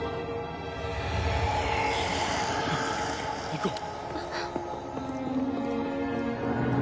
行こう！